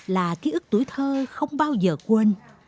là ký ức tuổi thơ không bao giờ quên